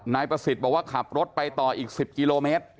นายประสิทธิ์บอกว่าขับรถไปต่ออีก๑๐กิโลเมตร